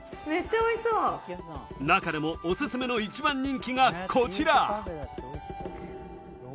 中でも、おすすめの一番人気がこちら。